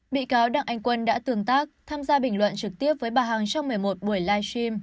bị cáo đặng anh quân đã tương tác tham gia bình luận trực tiếp với bà hằng trong một mươi một buổi live stream